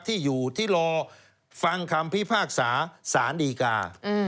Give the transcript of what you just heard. ที่อยู่ที่รอฟังคำพิพากษาสารดีกา